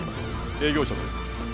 営業職です